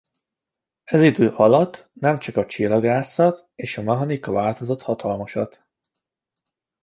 Ez idő alatt nem csak a csillagászat és a mechanika változott hatalmasat.